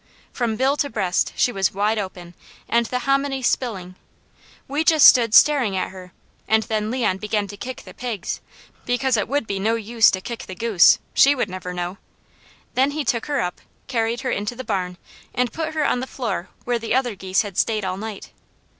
From bill to breast she was wide open, and the hominy spilling. We just stood staring at her, and then Leon began to kick the pigs; because it would be no use to kick the goose; she would never know. Then he took her up, carried her into the barn, and put her on the floor where the other geese had stayed all night.